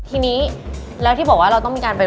ทีนี้แล้วที่บอกว่าเราต้องมีการไป